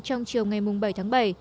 trong chiều ngày bảy tháng bảy